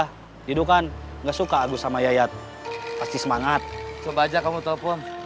hidupkan enggak suka agus sama yaya pasti semangat coba aja kamu telepon